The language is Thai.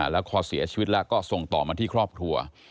แล้วพอเสียชีวิตแล้วก็ส่งต่อมาที่ครอบครัว